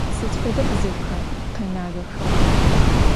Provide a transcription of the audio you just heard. Sıd fede bzıuxa khenağexer?